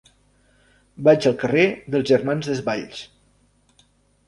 Vaig al carrer dels Germans Desvalls.